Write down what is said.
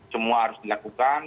semua harus dilakukan